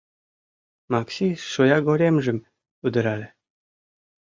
— Макси шоягоремжым удырале.